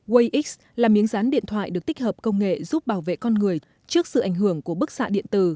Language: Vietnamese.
waze x là miếng rán điện thoại được tích hợp công nghệ giúp bảo vệ con người trước sự ảnh hưởng của bức xạ điện tử